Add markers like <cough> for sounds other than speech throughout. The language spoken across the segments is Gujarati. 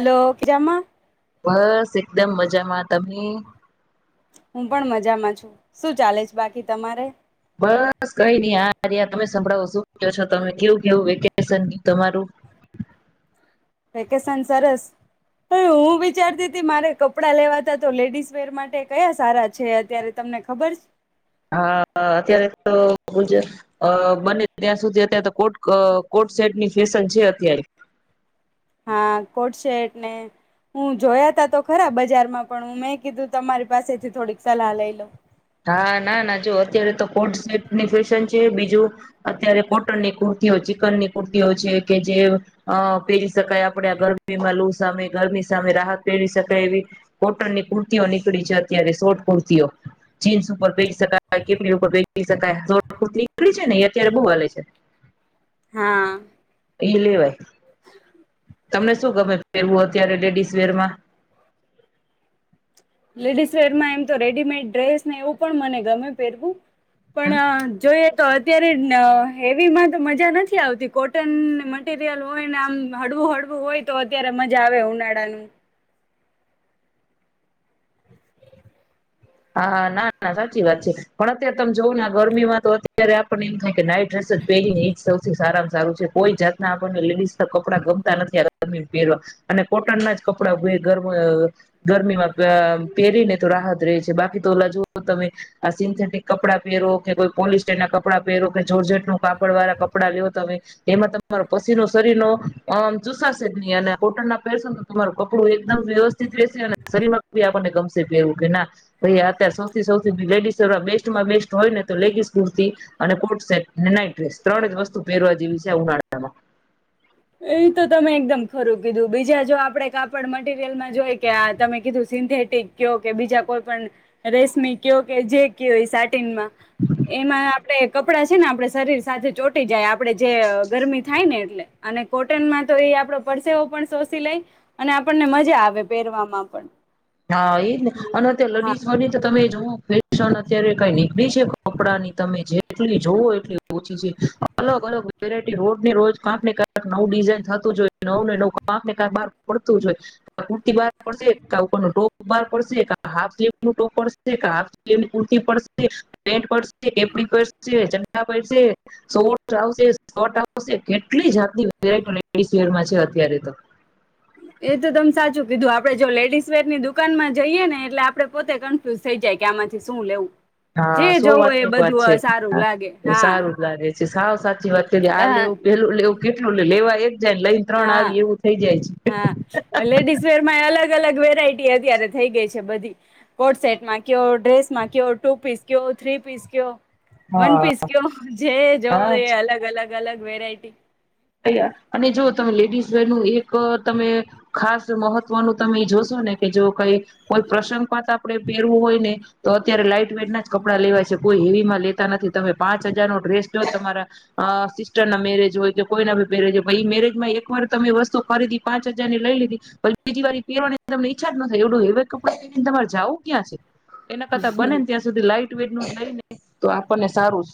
હલો મજામાં બસ એકદમ મજામાં તમે હું પણ મજામાં છું શું ચાલે છે બાકી તમારે બસ કઈ નહી આરહીયા તમે સંભળાવો શું છો તમે કેવું કેવુંવેકેશન તમારું વેકેશન સરસ હ હું વિચારતી હતી મારે કપડા લેવાતા તો લેડીસ વર માટે કયા સારા છે અત્યારે તમને ખબર છે હા અત્યારે તો બને ત્યાં સુધી અત્યારે તો કોટ કોડ સેટની ફેશન છે અત્યારે હા કોડ શેટ ને હું જોયા તા તો ખરા બજારમાં પણ હું મેં કીધું તમારી પાસેથી થોડીક સલાહ લઈ લો. હા ના ના જો અત્યારે તો કોડ સેટની ફેશન છે બીજું અત્યારે કોટનની કુર્તીઓ ચિકન ની કુર્તીઓ છે કે જે પહેરી શકાય આપણે ગરમીમાં લુ સામે ગરમી સામે રાહત પહેરી શકાય એવી કોટનની કુર્તીઓ નીકળી છે અત્યારે શોર્ટ કુર્તીઓ. જીન્સ ઉપર પે પહેરી શકાય કેપરી ઉપર પહેર પેરી શકાય શોર્ટ કુર્તી નીકળી છે ને એ અત્યારે બો હાલે છે. હા. એ લેવાય. <inaudible> તમને શું ગમે ફેરવું અત્યારે લેડીઝ વેરમાં. લેડીસ વેરમાં એમ તો રેડીમેડ ડ્રેસ ને એવું પણ મને ગમે પહેરવું. પણ જોય તો અત્યારે હેવીમાં તો મજા નથી આવતી કોટન મટીરિયલ હોય ને આમ હળવું હળવું હોય તો અત્યારે મજા આવે ઉનાળાનું. હા ના ના સાચી વાત છે પણ અત્યારે તમે જોવ ગરમી માં તો અત્યારે આપને એમ થાય નાઈટ ડ્રેસ પહેરીને એજ સવ સારામાં સારું છે કોઈ જાતના આપણને લેડીઝ કપડાં ગમતા નથી ગરમી પહેરવા અને કોટન ના જ કપડા ગર ગરમીમાં. અ પેરીને તો રાહત પ્રેસ બાકી તો ઓલા જુઓ તમે આ સિન્થેટિક કપડાં પહેરો કે કોઈ પોલિસ્ટર ના કપડાં પહેરો જોરજટ નું કાપડ વાળા કપડાં લેયો તમે. એમાં તમારો પસીનો શરીર નો આમ ચુસાશે જ નહી અને કોટન ના પરસ તમારું કપડું એકદમ વ્યવસ <unintelligible> આપને ગમશેવું કે ના ભઈ અત્યારે સૌથી સૌથી લેડીઝ બેસ્ટમાં બેસ્ટ હોય ને તો લેગીસ કુર્તી અને કોડ સેટ નાઈટ ડ્રેસ ત્રણ જ વસ્તુ પેરવા જેવું છે આ ઉનાળામાં એ તો તમે એકદમ ખરું કીધું બીજા જો આપણેે કાપડ મટીરિયલમાં જોઈ કે આ તમે કીધું સિન્થેટિક કિયો કે બીજા કોઈ પણ રેશમી કિયો કે જે કિયો એ સા સાટીન માં એમાં. આપણે કપડાં છે ને આપડે શરીર સાથે ચોટી જાય આપડે જે ગરમી થાય ને એટલે. અને કોટનમાં તો એ આપડો પરસેવ પણ શોષી લઈ અને આપણને મજા આવે પહેરવામાં પણ. હા એજ ને અને અત્યારે હા લડીસ બને તો તમે નવું ફેશન અત્યારે કઈ નીકળી છે કપડાની તમે જેટલી જોવ એટલી ઓછી છે અલગ અલગ વેરાયટી રોજને રોજ કંક ને કંક નવું ડિઝાઇન થતું જોઈ નવું ને નવું કંક ને કંક બહાર પડતું જોય કુર્તી બહાર પડશે કા ટોપ બહાર પડશે કા હાલફ સ્લીપ ણુ ટોપ પડશે કા હાફ ટોપ ની કુર્તી પેન્ટ પડશે કેપરી પડશે ચડ્ડા પડશે તો બ્રાઉઝર પડશે કેટલી જાતની વેરાઈટી નીકળી છે અત્યારે તો શહેરમાં એ તો તમ સાચું કીધું આપડે જો લેડીસ વર ની દુકાન માં જઈએે ને એટલે આપડે પોતે કન્ફ્યુઝ થઈ જાય કે આમાંથી શું લેવું. જે હા સો જોવું વાત એ ન વાત બધું સારું લાગે છે હા સારું જ લાગે છે સાવ સાચી વાત કરી આ લેવું હા પેલું લેવું કેટલું લેવાય ને લઈને ત્રણ હા આવી એવું થઈ જાય છે. અલગ-અલગ વેરાયટી અત્યારે થઈ ગઈ છે બધી કોડ સેટમાં કયો ડ્રેસમાં કયો ટુ પીસ કયો થ્રી પીસ કયો. વન હા. પીસ કયો જે જવો હા એ અલગ-અલગ. અલગ-અલગ વેરાયટી અ અને જો તમે લેડીઝ વેર નું એક તમે ખાસ મહત્વનું તમે એ જોશો ને કે જો કઈ કોઈ પ્રસંગ પાત આપણે પહેરવું હોય ને તો અત્યારે લાઈટ વેટ ના જ કપડાં લેવાય છે કોઈ હેવીમાં લેતા નથી તમે પાંચ હજાર નો ડ્રેસ જો તમારા સિસ્ટર ના મેરેજ હોય તો કોઈ ના ભ પહેરે છે મેરેજ માં એક વાર તમે વસ્તુ ખરીદી પાંચ હજાર ની લઈ લીધી પ બીજી વાર પહેરવાની તમનેઈચ્છા જ ન નથીું હવે કપડાે પને તમારે જવું ક્યાં છે એના કરતાા બને ને ત્યાં સુધી લાઈટ ટટ લઈને તો આપણને સારું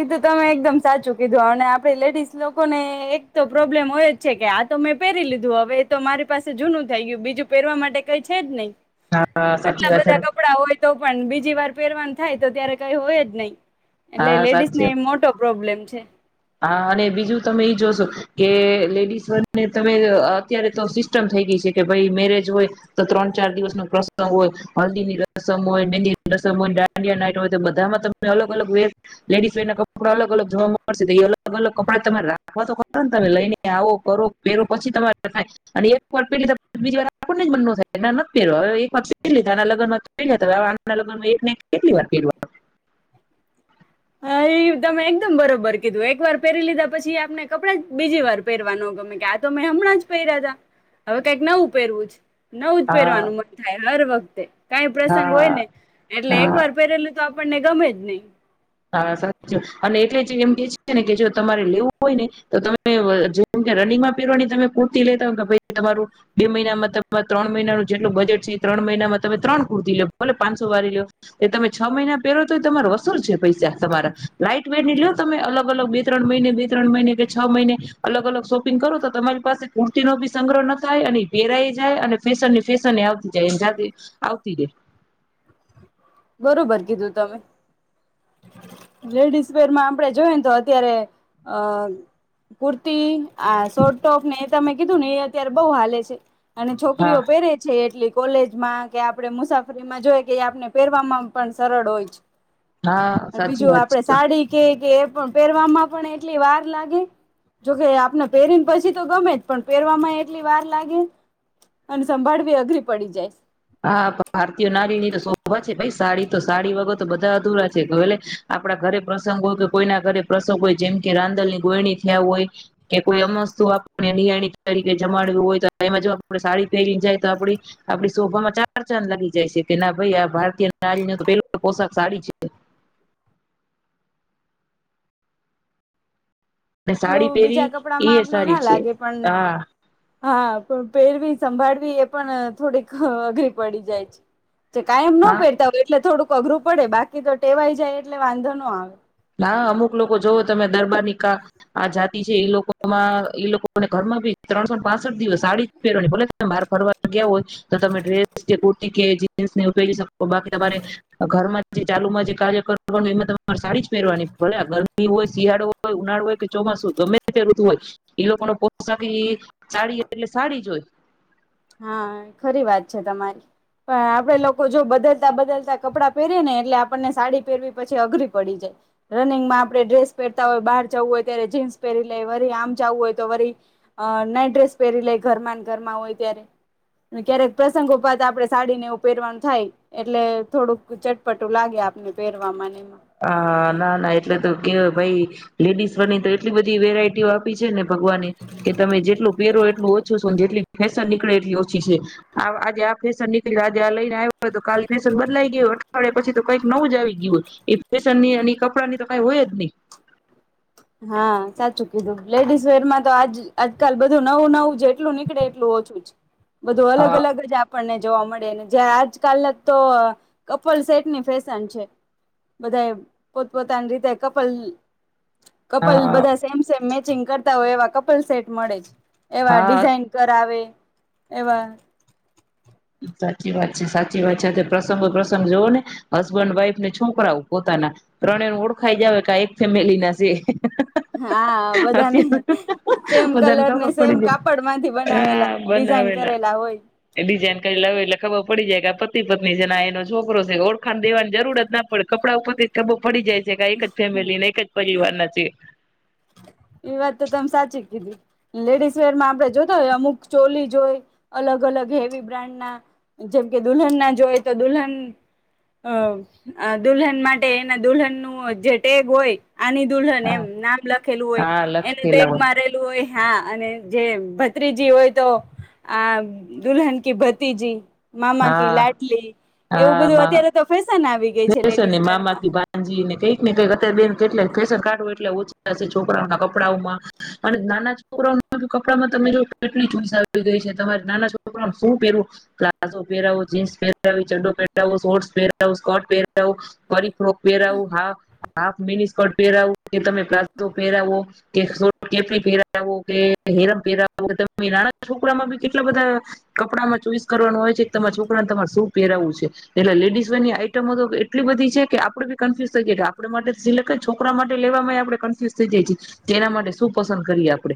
એ તો તમે એકદમ સાચું કીધું અને આપે લેડીસ લોકોને એક તો પ્રોબ્લેમ હોય જ છે કે આ તો મેં પહેરી લીધું હવે એ તો મારી પાસે જૂનું થઈ ગયું બીજું પહેરવા માટે કઈ છે જ નહી હા આટલા સાચી વાત બધા કપડા હોય તો પણ બીજી વાર પેરવાન થાય તો ત્યારે કઈ હોય જ નહી એટલે હા લેડીઝ ને સાચી એ મોટો પ્રોબ્લેમ છે છે હા અને બીજું તમે ઈ જોશો કે લેડીસને તમે અત્યારે તો સિસ્ટમ થઈ ગઈ છે કે ભાઈ મેરેજ હોય તો ત્રણ ચાર દિવસ ન પ્રસંગ હોય હલ્દી ની રસમ હોય મંદીની રસમ હોય દાંડિયા નાટ હોય તો બધામાં તમે અલગ અલગ વે લેડિસ ફેરના કપડા અલ અલગ <unintelligible> અલગ અલગ કપડા તમારે રાખવા તો ખ ને તમે લઈને આવો કરો પહેરો પછી તમારે થાય અને એક વાર પહેર બીજી વાર મ થાય નથી પહેરવા હ એક વાર પ લીધા આના લગ્નમાં લગનમાં કેટ વાર પહેરવા હા એ તમે એકદમ બરોબર કીધું એક વાર પહેરી લીધા પછી આપણે કપડા જ બીજી વાર પહેરવાનો ગમે કે આ તો મેં હમણાં જ પહેર્યા હતા હવે કઈક નવું પહેરવું જ ન ઉ હા પહેરવાનું મન થાય હર વખત તે કઈ પ્રસંગ હોય હા ને એટલે એક હા વાર પહેરેલું તો ને ગમે જ નહી હા સા અને એટલે જે એમ કે છે ને કે જો તમારે લેવું હોય ને તો તમે જેમ કે રનિંગમાં પહેરવાની તમે કુર્તી લેતા હો કે ભ તમારું બે મહિનામાં તમા ત્રણ મહિનાનું જેટલું બજેટ છે ત્રણ મહિનામાં તમે ત્રણ કુર્તી લે ભલે પાંચસો વાળી લ લો એ તમે છ મહિના પહેરો તો તમાર અસર છે પૈસા તમારા લાઈટ વેટ ની લ લો તમે અલગ અલગ બે ત્રણ મહિને બે ત્રણ મહિને કે છ મહિને અલગ અલગ શોપિંગ કરો તો તમારી પાસે કુર્તી નો ભી સંગ્રહ ન થાય અને પેરાય જાય અને ફેશન ની ફેશન એ આવતી જાય આવતી જાય બરોબર કીધું તમે લેડીઝ વરમાં આપણેે જોયને તો અત્યારે અ કુર્તી આ શોર્ટ ટોપ ને એ તમે કીધું ને એ અત્યારે બહ હાલે છે અને હા છોકરીઓ પહેરે છે એટલી કોલેજમાં કે આપણે મુસાફરીમાં જોઈ કે એ આપને પહેરવામાં પણ સરળ હોય છે હા સાચી બીજું વાત આપડે છે સાડી કે કે પણ પહેરવામાં પણ એટલી વાર લાગે જોકે આપને પહેરીને પછી તો ગમે જ પણ પહેરવામાં એટલી વાર લાગે અને સંભાળવી અઘરી પડી જાય હા ભારતીય નારીની તો શોભા છે ભાઈ સાડી તો સાડી વગર તો બધા અધુરા છે એટલે આપડા ઘરે પ્રસંગ હોય કે કોઈના ઘરે પ્રસંગ હોય જેમ કે રાંદલની ગોયણી થયા હોય કે કોઈ અમસ્તુ આપને નિિયાળ તરીકે જમાડ હોય તો એમાં જો આપ સાડી પહેરી જાય તો આપ આપ શોભામાં ચાર ચાંદ લાગી જાય છે કે ના ભાઈ આ ભારતીય સાડીને તો પેલ પોશક સાડી છે અને સાડી એટલું બીજા પહેરી કપડામાં એ આપણે ના સારી છે લાગે પણ હા હા પણ પહેરવી સંભાળવી એ પણ થોડીક અઘરી પડી જાય છે કાયમ ના હા પેરતા હોય એટલે થોડુંક અઘરું પડે બાકી તો ટેવાઈ જાય એટલે વાંધો ન આવે હા અમુક લોકો જોવ તમે દરબાર ની કા આ જાતિ છે એ લોકો માં એ લોકોને ઘરમાં ભી ત્રણસો પાસઠ દિવસ સાડી પહેરવાની ભલે તમે બાર ફરવા ગયા હો તો તમે ડ્રેસ જે કુર્તી કે ને ઉપયોગી તો બાકી તમારે ઘરમાં ચાલુમાં જે કાર્ય કરવાનું એમાં તમારે સારી પેરવાની ભલે ગરમી હોય શિયાળો હોય ઉનાળો હોય કે ચોમાસું હોય ગમે તે ઋતું હોય એ લોકોનો પોષાક એ સાડી એટલે સાડી જ હોય હા ખરી વાત છે તમારી પણ આપડે લોકો જો બદલતા બદલતા કપડાં પહેરે ને એટલે આપણને સાડી પહેરવી પછી અઘરી પડી જાય રનિંગમાં આપણે ડ્રેસ પહેરતા હોય બહાર જવું હોય ત્યારે જીન્સ પહેરી લે વરી આમ જવું હોય તો વરી અ નાઈટ ડ્રેસ પહેરી લે ઘરમાં ઘરમાં હોય ત્યારે ને ક્યારેક પ્રસંગો પાતા આપડે સાડીને એવું પહેરવાનું થાય એટલે થોડુંક ચટપટું લાગે આપને પહેરવામાં નેમ હા ના ના એટલે તો કેય ભાઈ લેડીસ બની તો એટલી બધી વેરાયટીઓ આપી છે ને ભગવાને કે તમે જેટલું પહેરો એટલું ઓછું સુ જેટલી ફેશન નીકળે એટલી ઓછી છે આવ આજે આ ફેશન નીકળી આજે આ લઈને આવ્યો હોય તો કાલે ફેશન બદલાઈ ગયું અઠવાડિયા પછી તો કંઈક નવું જ આવી ગયું હોય ફેશનની ની કપડાંની તો કઈ હોય જ ની હા સાચું કીધું લેડીઝ વેરમાં તો આજ આજકાલ બધું નવું નવું જેટલું નીકળે એટલું ઓછું જ બધું અલગ હા અલગ જ આપ આપણને જોવા મળે ને જે આજકાલના તો કપલ સેટની ફેશન છે બધાએ પોતપોતાની રીતે કપલ કપલ હા બધા સેમ સેમ મે ચિગં કરતા હોય એવા કપલ સેટ મળે જ એવા હા ડિઝાઇન કરાવે એવા સાચી વાત છે સાચી વાત છે પ્રસંગો પ્રસંગ જોવો ને હસબન્ડ વાઈફ ને છોકરાઓ પોતાના ત્રણે ઓળખાઈ જાવ કા એક ફેમિલી ના છે. હા બધાને અત્યારે સેમ બધાને કલર ને ખબર સેમ પડી ગઈ કાપડમાંથી હા બનાવેલા ડિઝાઈન કરેલા હોય લાવ એટલે ખબર પડી જાય કે આ પતિ પત્ની છે આ એનો છોકરો છે ઓળખાણ દેવાની જરૂર જ ન પડે કપડા ઉપરથી ખબર પડી જાય છે કે એક જ ફેમિલી ને એક જ પરિવારના છે. એ વાત તો તમે સાચી કીધી લેડીઝ વેરમાં આપણે જોતા હોય અમુક ચોલી જોય હોય અલગ અલગ હેવી બ્રાન્ડના જેમકે દુલ્હનના જોય તો દુલ્હન અ આ દુલ્હન માટે એના દુલ્હનનું‌ જે ટેગ હોય આની દુલ્હન એમ હા નામ લખ ખેલું હોય હા એને લખેલા ટેગ હોય મારેલું હોય હા અને જે ભત્રીજી હોય તો આ દુલ્હન કી ભતીજી મામાકી હા લાટલી એવું બધું અત્યારે તો ફેશન આવી ગઈ છે ભેસ અને લેડીઝ વેરમાં મામાથી ભાનજી કઈક ને કઈક અત્યારે બે કેટ ફેશન કાઢવો એટલા ઓછા છે છોકરાઓ ના કપડાઓમાં અને નાના છોકરાઓ કપડામાં તમે જો કેટલી ચોઈસ આવી ગઈ છે તમારે નાના છોકરાને શું પહેરવું પ્લાઝો પહેરાવો જીન્સ પહેરાવી ચડો પહેરાવો શોર્ટ પહેરાવો સ્કર્ટ પેરાવો કરી ફ્રોક પેરાવુ હા હાફ મેની સ્કર્ટ પહેરાવવું કે તમે પ્લાઝો પહેરાવો કે શોટ કેપલી પહેરાવો કે હેરમ પહેરાવો કે તમે નાના છોકરામાં બી કેટલા બધા કપડામાં ચોઈસ કરવાનું હોય છે કે તમારા છોકરાને તમારે શું પહેરાવું છે એટલે લેડીઝ વેરની આઈ ટમો તો એટલી બધી છે કે આપડે બી કન્ફ્યુઝ થઈ જાય આપ માટે સિલેક્ટ છોકરા માટે લેવામાં આપણેે કન્ફ્યુઝ થઈ જાયીએ એના માટે શું પસંદ કરીએ આપણે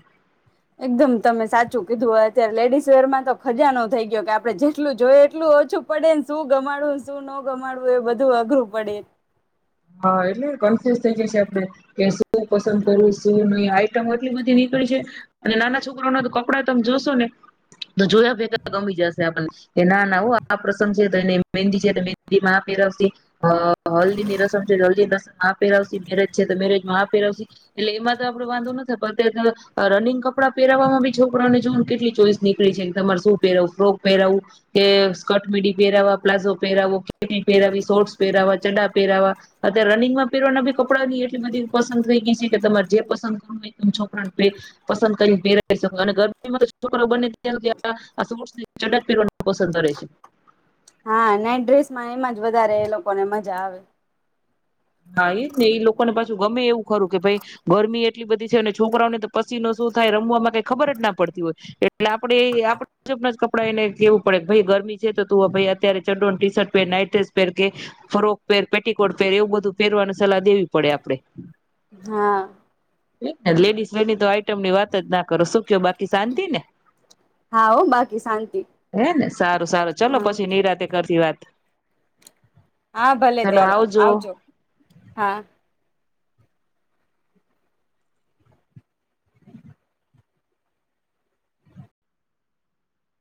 એકદમ તમે સાચું કીધું અત્યારે લેડીસ વેરમાં તો ખજાનો થઇ ગયો કે આપડણે જેટલું જોયે એટલું ઓછું પડેને શું ગમાડુને શું ન ગમાડુ એ બધું અઘરું પડે હા એટલે કન્ફ્યુઝ થઈ જશે આપે કે શું પસંદ કરું શું ન આઈટમ એટલી બધી નીકળી છે અને નાના છોકરો ના તો કપડા તમે જોશો ને તો જોયા ભેગા ગમી જશે આપને કે ના ના ઓ પ્રસંગ છે એ મેદી છે મેદીમાં આ પેરાવસે હ હલ્દીની રસમ <unintelligible> પેરાવસે મેરેજ છે તો મેરેજમાં આ પહેરવ એટલે એમાં તો આપડે વાંધો નથી પણ અ રનિંગ કપડાં પહેરાવામાં બી છોકરાઓને જો કેટલી ચોઈસ નીકળી છે કે તમારે શું પહેરવું ફ્રોક પહેરાવું કે સ્કર્ટ મીડી પહેરાવવા પ્લાઝો પહેરાવો કેટલી પહેરાવી શોર્ટસ પહેરાવવા ચડા પહેરાવા અત્યારે રનિંગમાં પેરવાના બી કપડાની એટલી બધી પસંદ થઈ ગઈ છે કે તમારે જે પસંદ કરવું હોય છોકરાને પસંદ કરીને પહેરાય શકો અને ગરમીમાં તો છોકરો બને ત્યા સુધી <inaudible> ચડ્ડા પહેર વાનુ પસંદ કરે છે. હા નાઇટ ડ્રેસમાં એમાં જ વધારે એ લોકો ને મજા આવે હા એ જ ને એ લોકોને પાછું ગમે એવું ખરું કે ભાઈ ગરમી એટલી બધી છે અને છોકરાઓને તો પસીનો શું થાય રમવાવામાં કઈ ખબર જ ના પડતી હોય એટલે આપડે આપણે જવાબ ના જ કપડાં એને કેવું પડે કે ભાઈ ગરમી છે તો તું અત્યારે ચડો ટી શર્ટ પહેર નાઈટ ડ્રેસ પહેર કે ફરોક પહેર પેટીકોટ પહેર એવું બધું ફેરવાની સલાહ દેવી પડે આપડે હા લેડીસ લેની તો આઈટમ ની વાત જ ના કરો શક્યો બાકી શાંતિ ને હા હો બાકી શાંતિ હે ને સારું સારું ચલો હા પછી નિરાતે કરીયે વાત હા ભલે ત્યારે આવજો. હા.